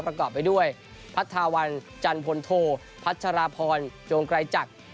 ประกอบไปด้วยพัทธาวันจันพลโทพัชราพรจงไกรจักร